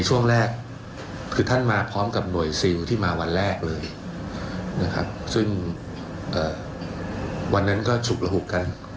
วันนั้นก็ฉุกระหุกกัน